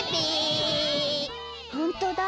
ほんとだ